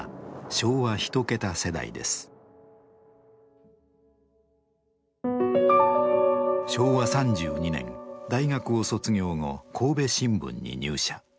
昭和３２年大学を卒業後神戸新聞に入社。